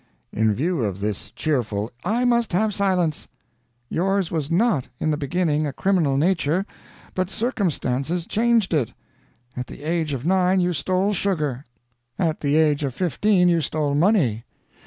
"In view of this cheerful " "I must have silence. Yours was not, in the beginning, a criminal nature, but circumstances changed it. At the age of nine you stole sugar. At the age of fifteen you stole money.